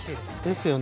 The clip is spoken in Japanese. ですよね。